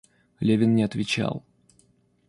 Левин не отвечал.